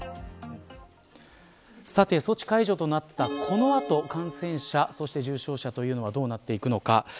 さて、措置解除となったこの後感染者そして重症者というのはどうなっていくのか。